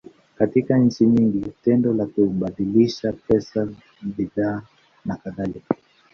Katika nchi nyingi, tendo la kubadilishana pesa, bidhaa, nakadhalika.